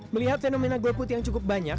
melihat fenomena golput yang cukup banyak